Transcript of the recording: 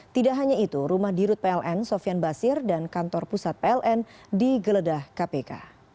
tidak hanya itu rumah dirut pln sofian basir dan kantor pusat pln digeledah kpk